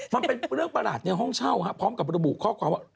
มันเป็นเรื่องประหลาดในห้องเช่าพร้อมกับระบุข้อความว่า